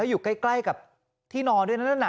แล้วอยู่ใกล้กับที่นอนด้วยนะ